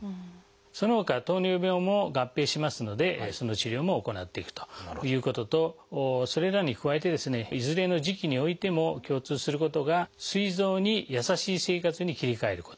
そのほか糖尿病も合併しますのでその治療も行っていくということとそれらに加えてですねいずれの時期においても共通することがすい臓に優しい生活に切り替えること。